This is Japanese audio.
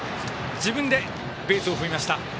自分でベースを踏みました。